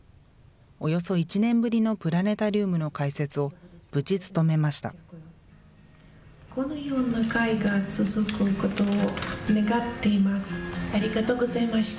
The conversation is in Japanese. およそ１年ぶりのプラネタリウムの解説を無事務めました。